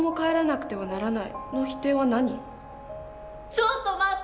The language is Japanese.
じゃあちょっと待って。